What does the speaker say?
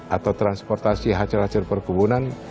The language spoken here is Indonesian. atau transportasi hacir hacir perkebunan